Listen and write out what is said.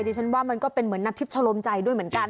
ดิฉันว่ามันก็เป็นเหมือนน้ำทิพย์ชะลมใจด้วยเหมือนกัน